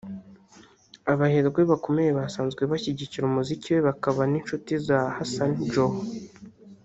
abaherwe bakomeye basanzwe bashyigikira umuziki we bakaba n’inshuti za Hassan Joho